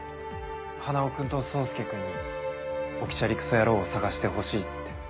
花男君と草介君に置きチャリクソ野郎を捜してほしいって。